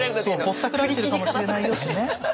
ぼったくられてるかもしれないよってね。